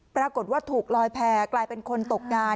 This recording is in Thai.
ปรากฏว่าถูกลอยแพร่กลายเป็นคนตกงาน